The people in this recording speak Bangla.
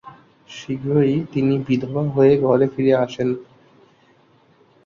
শীঘ্রই তিনি বিধবা হয়ে ঘরে ফিরে আসেন।